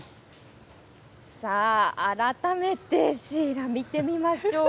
改めてシイラ見てみましょう。